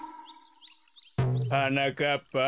はなかっぱ。